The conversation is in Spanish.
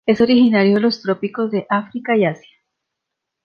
Es originario de los trópicos de África y Asia.